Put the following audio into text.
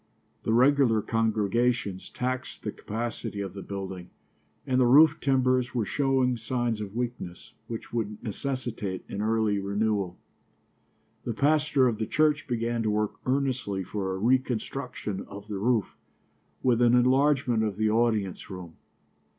The regular congregations taxed the capacity of the building, and the roof timbers were showing signs of weakness which would necessitate an early renewal. The pastor of the church began to work earnestly for a reconstruction of the roof, with an enlargement of the audience room.